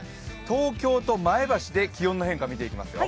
東京と前橋で気温の変化を見ていきますよ。